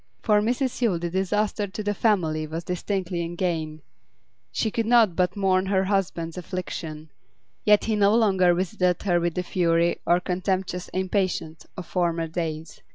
For Mrs Yule the disaster to the family was distinctly a gain; she could not but mourn her husband's affliction, yet he no longer visited her with the fury or contemptuous impatience of former days.